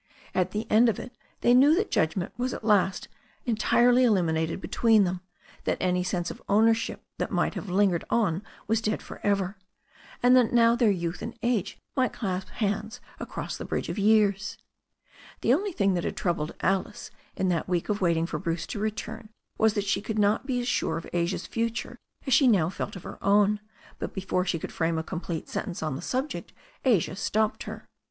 At the end of it they knew that judgment was at last entirely eliminated between them, that any sense of owner ship that might have lingered on was dead for ever, and that now their youth and age might clasp hands across the bridge of years. The only thing that had troubled Alice in that week of waiting for Bruce to return was that she could not be as sure of Asia's future as she now felt of her own, but before she could frame a complete sentence on the subject Asia stopped her.